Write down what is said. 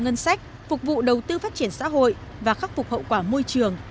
ngân sách phục vụ đầu tư phát triển xã hội và khắc phục hậu quả môi trường